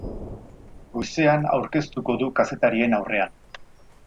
Goizean aurkeztuko du kazetarien aurrean.